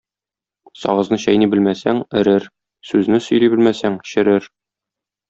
Сагызны чәйни белмәсәң, эрер, сүзне сөйли белмәсәң, черер.